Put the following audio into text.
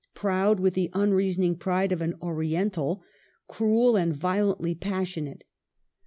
Proud with the unreasoning pride of an Orien tal ; cruel, and violently passionate.